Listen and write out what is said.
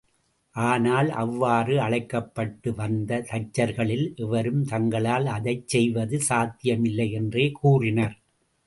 ஆனால், அவ்வாறு அழைக்கப்பட்டு வந்த தச்சர்களில் எவரும் தங்களால் அதைச் செய்வது சாத்தியமில்லை என்றே கூறினர்.